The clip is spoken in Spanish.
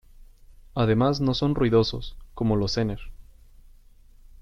Además no son ruidosos, como los zener.